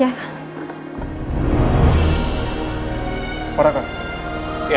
head chef kalian mulai hari ini